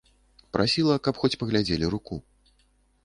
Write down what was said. Прасіла, каб хоць паглядзелі руку.